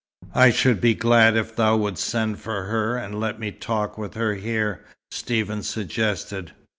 "I should be glad if thou wouldst send for her, and let me talk with her here," Stephen suggested.